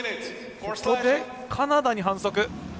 ここでカナダに反則。